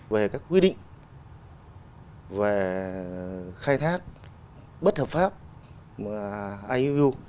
về các quy định về khai thác bất hợp pháp iuu